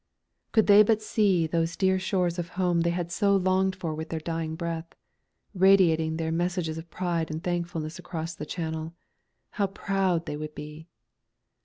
Could they but see those dear shores of home they had so longed for with their dying breath, radiating their messages of pride and thankfulness across the Channel, how proud they would be!